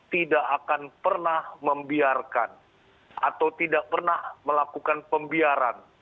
tidak akan pernah membiarkan atau tidak pernah melakukan pembiaran